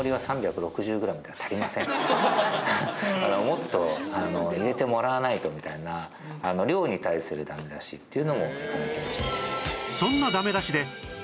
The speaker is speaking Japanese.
「もっと入れてもらわないと」みたいな量に対するダメ出しっていうのも頂きました。